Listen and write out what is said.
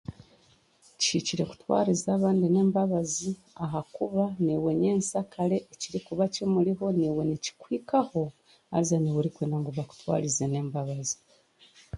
Kihikire kutwariza abandi n'embabazi ahakuba nyensakare ekirikuba kimuriho naiwe nikikuhikaho haza naiwe orenda bakutwarize n'embabazi